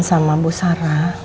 sama bu sarah